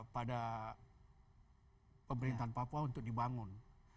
pada pemerintahan papua untuk dibangun